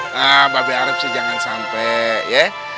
nah mbak bek harap sih jangan sampe ya